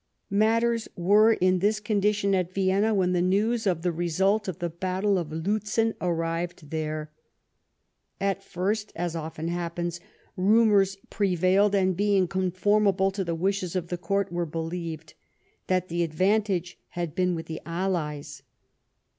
]\Iatters were in this condition at Vienna when the ne^vs of the result of the battle of Liitzen arrived there. At first, as often happens, rumours prevailed, and, being conformable to the wishes of the Court, were believed, that the advantage had been with the allies.